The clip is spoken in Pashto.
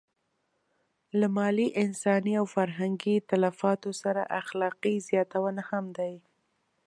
له مالي، انساني او فرهنګي تلفاتو سره اخلاقي زیانونه هم دي.